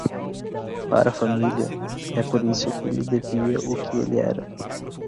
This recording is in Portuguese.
Para a família, é por isso que lhe devia o que ele era.